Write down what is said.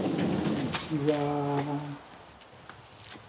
こんにちは。